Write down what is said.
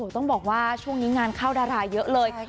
ต้องบอกว่าช่วงนี้งานเข้าดาราเยอะเลย